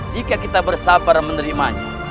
jika kita bersabar menerimanya